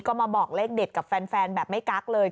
ก็มาบอกเลขเด็ดกับแฟนแบบไม่กักเลย